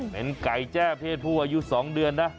เป็นไก่แจ้เพศผู้อายุ๒เดือนนะ